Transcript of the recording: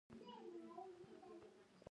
شهرت هم تباه شي.